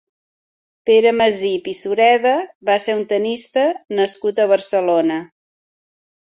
Pere Masip i Sureda va ser un tennista nascut a Barcelona.